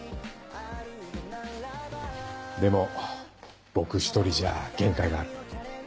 でも僕一人じゃ限界がある。